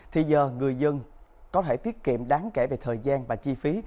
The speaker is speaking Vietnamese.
thì giờ người dân có thể tiết kiệm đáng kể về thời gian và chi phí